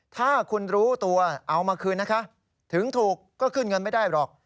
ถ้าคุณรู้ตัวเอามาคืนนะคะถึงถูกก็ขึ้นเงินไม่ได้หรอก